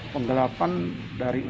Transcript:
penggelapan dari uangnya